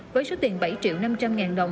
với số tiền bảy triệu năm trăm linh ngàn đồng